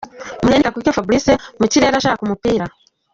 Mugheni Kakule Fabrice mu kirere ashaka umupira.